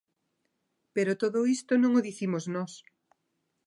Pero todo isto non o dicimos nós.